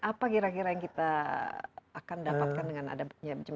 apa kira kira yang kita akan dapatkan dengan ada jembatan seperti ini